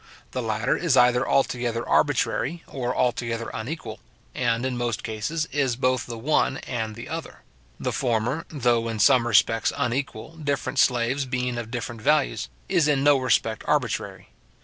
The latter is either altogether arbitrary, or altogether unequal, and, in most cases, is both the one and the other; the former, though in some respects unequal, different slaves being of different values, is in no respect arbitrary.